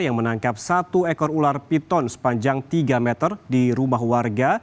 yang menangkap satu ekor ular piton sepanjang tiga meter di rumah warga